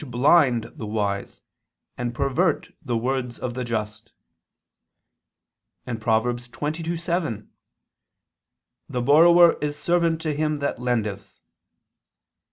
. blind the wise, and pervert the words of the just," and (Prov. 22:7): "The borrower is servant to him that lendeth."